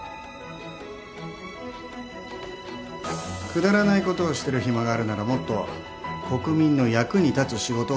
くだらないことをしてる暇があるならもっと国民の役に立つ仕事をしてください。